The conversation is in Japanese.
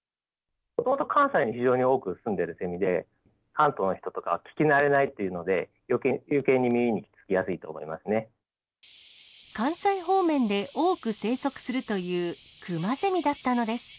もともと関西に非常に多く住んでるセミで、関東の人とかは聞き慣れないっていうので、よけいに耳につきやす関西方面で多く生息するというクマゼミだったのです。